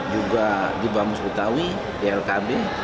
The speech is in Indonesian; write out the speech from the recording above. juga di bamus betawi di lkb